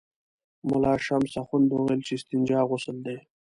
ملا شمس اخند به ویل چې استنجا غسل دی.